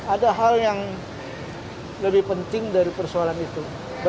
ada hal yang lebih penting dari persoalan itu